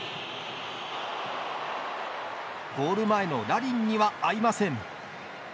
ゴール前のラリンには合いません。